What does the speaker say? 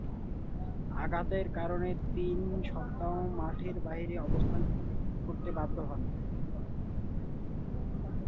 আঘাতের কারণে মৌসুমের তিন সপ্তাহ মাঠের বাইরে অবস্থান করতে বাধ্য হন।